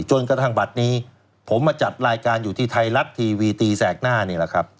กระทั่งบัตรนี้ผมมาจัดรายการอยู่ที่ไทยรัฐทีวีตีแสกหน้านี่แหละครับ